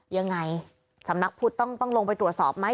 ยังไงสำนักพุทธต้องลงไปตรวจสอบไหม